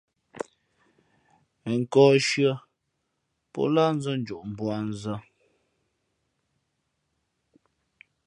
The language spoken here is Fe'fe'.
Ghen nkᾱᾱ nshʉ̄ᾱ pō lǎh nzᾱ njoʼ mbuānzᾱ.